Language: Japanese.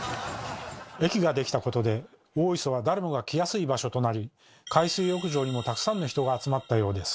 駅ができたことで大磯は誰もが来やすい場所となり海水浴場にもたくさんの人が集まったようです。